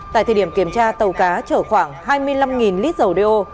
tại thời điểm kiểm tra tàu cá chở khoảng hai mươi năm lít dầu đeo